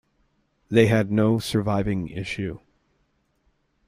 They had no surviving issue.